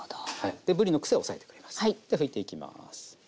では拭いていきます。